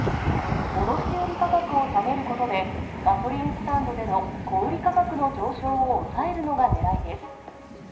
卸売り価格を下げることで、ガソリンスタンドでの小売り価格の上昇を抑えるのがねらいです。